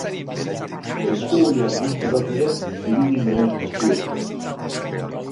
Eskuoihal busti bat ere ibili nuen eskuetan.